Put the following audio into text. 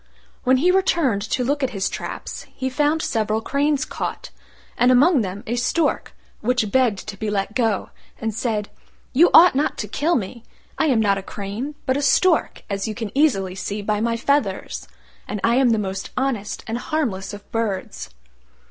When he returned to look at his traps he found several cranes caught, and among them a Stork, which begged to be let go, and said, "You ought not to kill me: I am not a crane, but a Stork, as you can easily see by my feathers, and I am the most honest and harmless of birds."